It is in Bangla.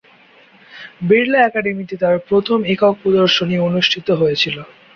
বিড়লা একাডেমিতে তার প্রথম একক প্রদর্শনী অনুষ্ঠিত হয়েছিল।